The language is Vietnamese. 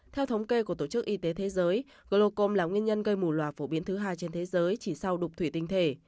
theo thống kê của tổ chức y tế thế giới glocom là nguyên nhân gây mù loà phổ biến thứ hai trên thế giới chỉ sau đục thủy tinh thể